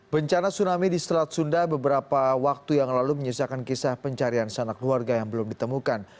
bencana tsunami di selat sunda beberapa waktu yang lalu menyisakan kisah pencarian sanak keluarga yang belum ditemukan